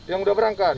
yang udah berangkat